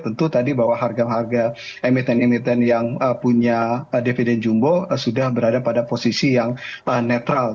tentu tadi bahwa harga harga emiten emiten yang punya dividen jumbo sudah berada pada posisi yang netral